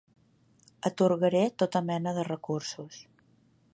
Atorgaré tota mena de recursos.